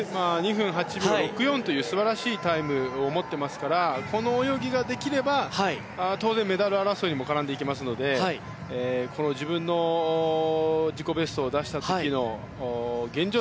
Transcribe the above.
２分８秒６４という素晴らしいタイムを持っていますからこの泳ぎができれば当然、メダル争いにも絡んでいきますので自分の自己ベストを出した時の現状